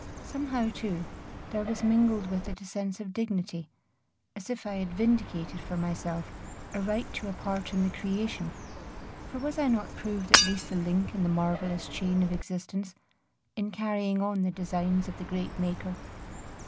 Somehow, too, there was mingled with it a sense of dignity, as if I had vindicated for myself a right to a part in the creation; for was I not proved at least a link in the marvellous chain of existence, in carrying on the designs of the great Maker?